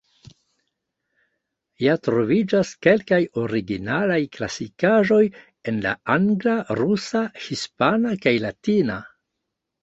Ja troviĝas kelkaj originalaj klasikaĵoj en la Angla, Rusa, Hispana kaj Latina.